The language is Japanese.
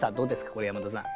これ山田さん。